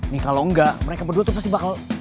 nih kalau enggak mereka berdua tuh pasti bakal